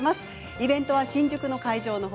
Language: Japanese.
イベントは新宿の会場の他